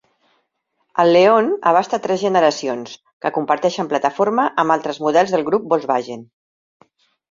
El León abasta tres generacions, que comparteixen plataforma amb altres models del Grup Volkswagen.